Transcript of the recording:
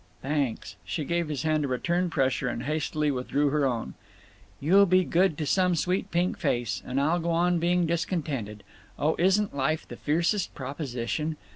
"Thanks." She gave his hand a return pressure and hastily withdrew her own. "You'll be good to some sweet pink face…. And I'll go on being discontented. Oh, isn 't life the fiercest proposition!